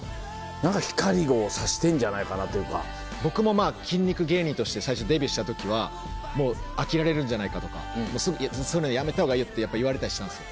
僕も筋肉芸人として最初デビューした時は飽きられるんじゃないかとかそういうのやめた方がいいよって言われたりしたんですよ。